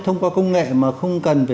thông qua công nghệ mà không cần